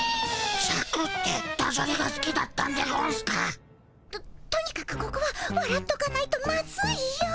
シャクってダジャレがすきだったんでゴンスか？ととにかくここはわらっとかないとマズいよ。